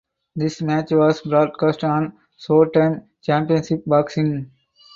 This match was broadcast on Showtime Championship Boxing.